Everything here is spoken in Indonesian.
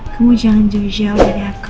kamu jangan jauh jauh dari aku